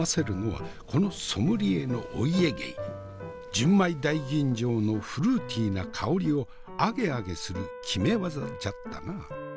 純米大吟醸のフルーティーな香りをアゲアゲする決め技じゃったな。